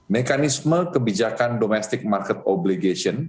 mekanisme kebijakan domestic market obligation